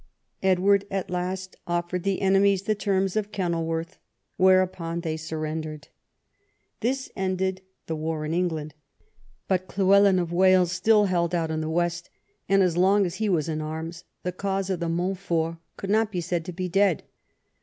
Edward at last offered the enemy the terms of Kenil worth, whereupon they surrendered. This ended the war in England. But Llywelyn of Wales still stood out in the west, and as long^as he was in arms the cause of the Montforts could not be said to be dead.